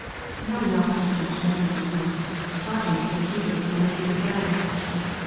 No one else took much notice of him, partly because he took no notice of them.